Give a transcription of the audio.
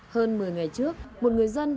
hơn một mươi ngày trước một người dân